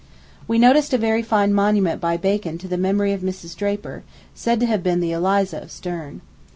We noticed a very fine monument by Bacon to the memory of Mrs. Draper, said to have been the Eliza of Sterne.